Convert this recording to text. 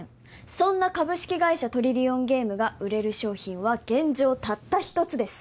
そんな株式会社トリリオンゲームが売れる商品は現状たった一つです